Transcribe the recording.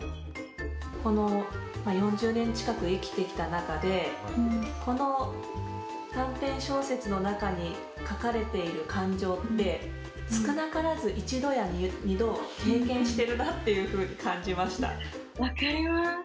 ４０年近く生きてきた中でこの短編小説の中に書かれている感情って少なからず１度や２度経験しているなっていうふうに感じました。